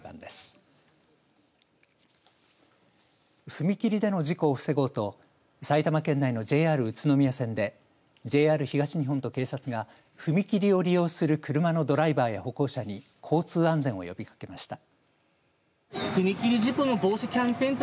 踏切での事故を防ごうと埼玉県内のＪＲ宇都宮線でＪＲ東日本と警察が踏切を利用する車のドライバーや歩行者に交通安全を呼びかけました。